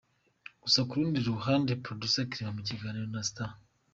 Gusa ku rundi ruhande, producer Clement mu kiganiro na Star.